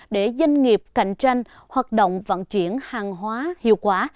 để doanh nghiệp cạnh tranh hoạt động vận chuyển hàng hóa hiệu quả